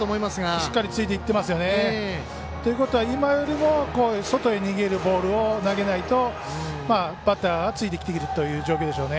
しっかりついていってますよね。ということは、今よりも外に逃げるボールを投げないとバッターはついてきているという状況でしょうね。